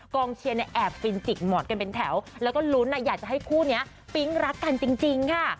เชียร์เนี่ยแอบฟินจิกหมอดกันเป็นแถวแล้วก็ลุ้นอยากจะให้คู่นี้ปิ๊งรักกันจริงค่ะ